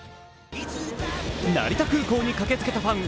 成田空港に駆けつけたファン